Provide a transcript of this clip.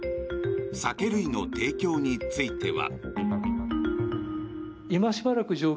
酒類の提供については。